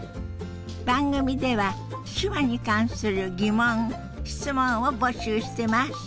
番組では手話に関する疑問質問を募集してます。